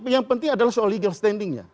yang penting adalah soal legal standingnya